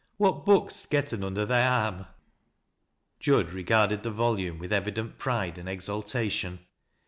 What book 'st getten under thy arm 1 " Jud regarded the volume with evident pride and eial tation.